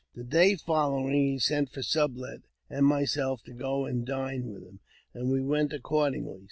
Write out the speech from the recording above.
The day following he sent for Sublet and myself to go and dine with him, and we went accordingly.